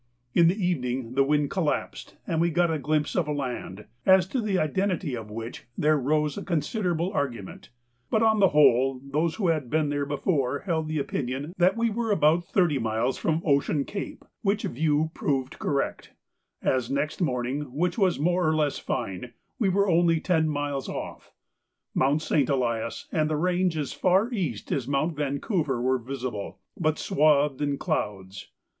In the evening the wind collapsed and we got a glimpse of land, as to the identity of which there arose a considerable argument, but on the whole those who had been there before held the opinion that we were about thirty miles from Ocean Cape, which view proved correct, as next morning, which was more or less fine, we were only ten miles off. Mount St. Elias and the range as far east as Mount Vancouver were visible, but swathed in clouds.